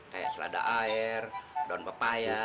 kayak selada air daun pepaya